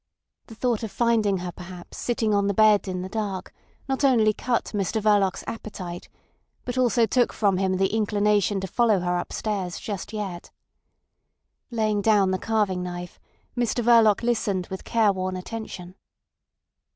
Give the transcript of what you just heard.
The thought of finding her perhaps sitting on the bed in the dark not only cut Mr Verloc's appetite, but also took from him the inclination to follow her upstairs just yet. Laying down the carving knife, Mr Verloc listened with careworn attention.